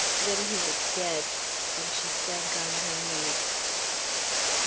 Then he is dead!" and she sank on her knees.